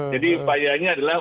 jadi upayanya adalah